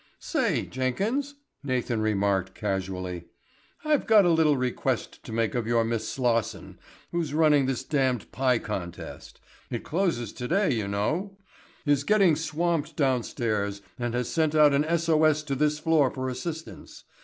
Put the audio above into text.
"Say, Jenkins," Nathan remarked casually, "I've got a little request to make of your Miss Slosson who's running this damned pie contest,—it closes today, you know,—is getting swamped downstairs and has sent out an S.O.S. to this floor for assistance.